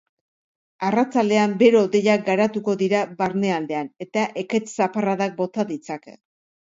Arratsaldean bero-hodeiak garatuko dira barnealdean eta ekaitz zaparradak bota ditzake.